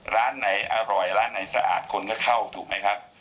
ร้านไหนอร่อยร้านไหนสะอาดคนก็เข้าถูกไหมครับ